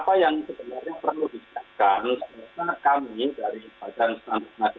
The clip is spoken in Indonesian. tapi orang mencampur adanya dengan pembelajaran jarak jauh kebetulan sama vcc tingkatannya